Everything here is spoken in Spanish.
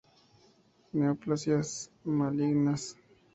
Neoplasias malignas.